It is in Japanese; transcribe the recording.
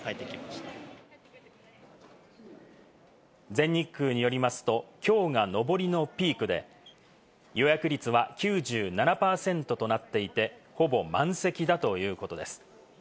全日空によりますと、きょうがのぼりのピークで、予約率は９７％となっていて、ほぼ満席だということです。